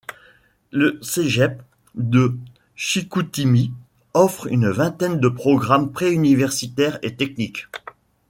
Le Cégep de Chicoutimi offre une vingtaine de programmes pré-universitaires et techniques.